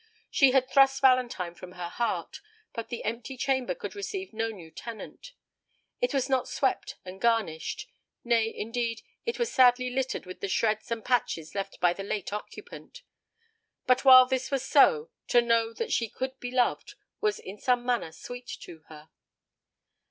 She had thrust Valentine from her heart, but the empty chamber could receive no new tenant. It was not swept and garnished; nay, indeed, it was sadly littered with the shreds and patches left by the late occupant. But, while this was so, to know that she could be loved was in some manner sweet to her.